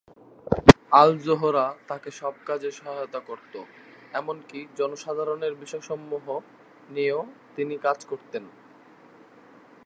আল জোহরা তাকে সব কাজে সহায়তা করতো, এমনকি জনসাধারণের বিষয়সমূহ নিয়েও তিনি কাজ করতেন।